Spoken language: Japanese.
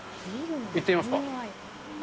行ってみますか。